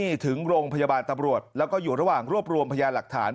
นี่ถึงโรงพยาบาลตำรวจแล้วก็อยู่ระหว่างรวบรวมพยานหลักฐาน